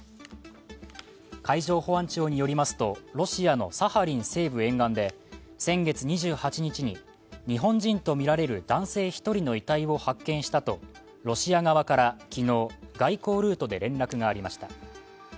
海上保安庁によりますとロシアのサハリン西部沿岸で先月２８日に日本人とみられる男性１人の遺体を発見したとロシア側から昨日、外交ルートで連絡がありました。